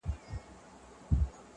ول کمک را سره وکړه زما وروره-